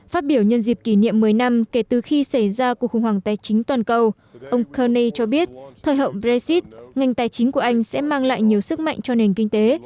phát biểu nhân dịp kỷ niệm một mươi năm kể từ khi xảy ra cuộc khủng hoảng tài chính toàn cầu ông keny cho biết thời hậu brexit ngành tài chính của anh sẽ mang lại nhiều sức mạnh cho nền kinh tế